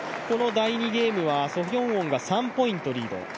第２ゲームはソ・ヒョウォンが３ポイントリード。